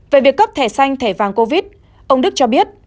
về việc cấp thẻ xanh thẻ vàng covid ông đức cho biết